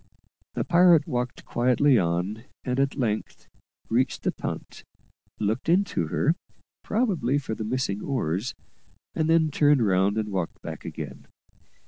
The pirate walked quietly on, and at length reached the punt, looked into her, probably for the missing oars, and then turned round and walked back again.